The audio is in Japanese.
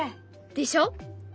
でしょ！